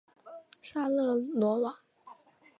沙勒罗瓦。